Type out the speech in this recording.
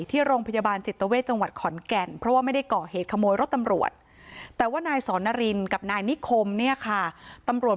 ที่โรงพยาบาลจิตเต้าเวทจังหวัดขอนกัน